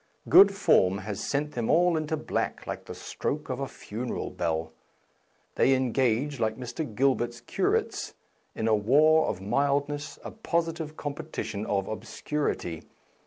Good form has sent them all into black like the stroke of a funeral bell. They en gage, like Mr. Gilbert's curates, in a war of mildness, a positive competition of ob scurity.